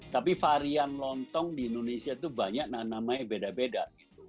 tapi varian lontong di indonesia itu banyak namanya beda beda